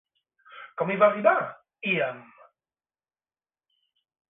Com hi va arribar Íam?